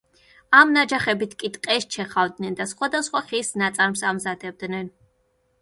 ამ ნაჯახებით კი ტყეს ჩეხავდნენ და სხვადასხვა ხის ნაწარმს ამზადებდნენ.